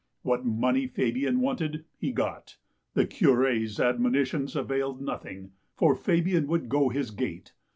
What money Fabian wanted he got. The Cure's admonitions availed nothing, for Fabian would go his gait.